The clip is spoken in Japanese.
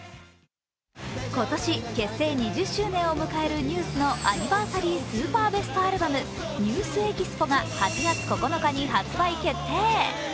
今年結成２０周年を迎えるＮＥＷＳのアニバーサリースーパーベストアルバム、「ＮＥＷＳＥＸＰＯ」が８月９日に発売決定。